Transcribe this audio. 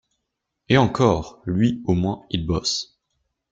Et encore, lui au moins, il bosse.